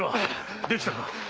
できたか？